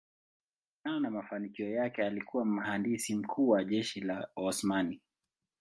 Kutokana na mafanikio yake alikuwa mhandisi mkuu wa jeshi la Osmani.